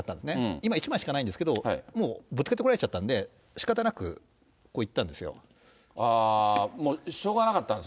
今、１枚しかないんですけど、もうぶつけてこられちゃったんで、もうしょうがなかったんです